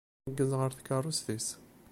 Ineggez ɣer tkeṛṛust-is.